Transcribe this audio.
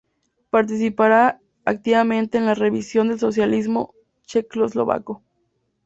Participará activamente en la revisión del socialismo checoslovaco".